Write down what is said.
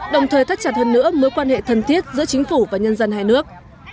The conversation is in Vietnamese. đồng thời thắt chặt hơn nữa mối quan hệ thân thiết giữa chính phủ và nhân dân hai nước